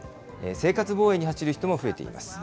生活防衛に走る人も増えています。